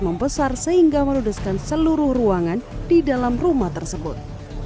membesar sehingga meludeskan seluruh ruangan di dalam rumah tersebut